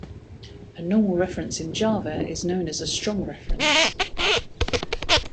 A normal reference in Java is known as a strong reference.